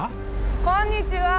こんにちは。